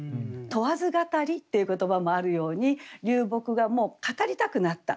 「問わず語り」っていう言葉もあるように流木が語りたくなった。